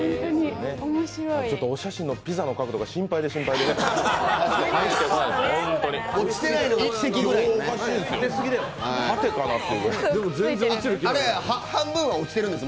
お写真のピザの角度が心配で心配で。